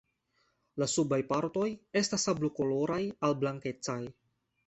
La subaj partoj estas sablokoloraj al blankecaj.